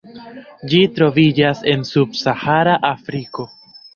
Ĝi troviĝas en subsahara Afriko.